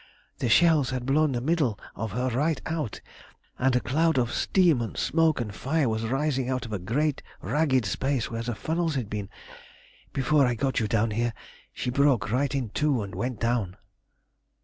The shells had blown the middle of her right out, and a cloud of steam and smoke and fire was rising out of a great ragged space where the funnels had been. Before I got you down here she broke right in two and went down."